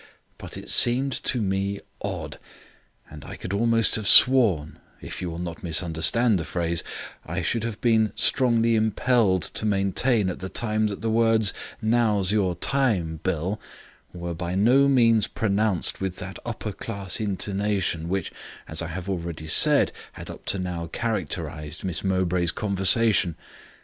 But it seemed to me odd, and I could almost have sworn (if you will not misunderstand the phrase), I should have been strongly impelled to maintain at the time that the words, 'Now's your time, Bill', were by no means pronounced with that upper class intonation which, as I have already said, had up to now characterized Miss Mowbray's conversation.